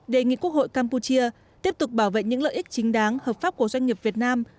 đề nghị quốc hội campuchia tiếp tục bảo vệ những lợi ích chính đáng hợp pháp của doanh nghiệp việt nam